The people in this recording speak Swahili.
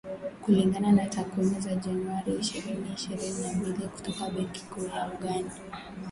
Kulingana na takwimu za Januari ishirini ishirini na mbili kutoka Benki Kuu ya Uganda